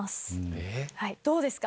どうですか？